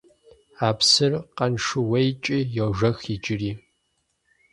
А псыр Къаншыуейкӏи йожэх иджыри.